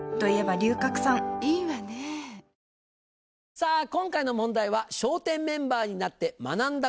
さぁ今回の問題は「笑点メンバーになって学んだこと」。